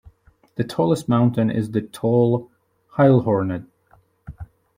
The tallest mountain is the tall Heilhornet.